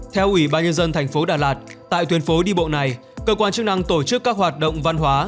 theo ủy ban nhân dân thành phố đà lạt tại tuyến phố đi bộ này cơ quan chức năng tổ chức các hoạt động văn hóa